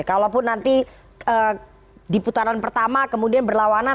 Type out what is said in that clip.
kalaupun nanti di putaran pertama kemudian berlawanan